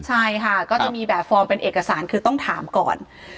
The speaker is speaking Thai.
ใช่ค่ะก็จะมีแบบฟอร์มเป็นเอกสารคือต้องถามก่อน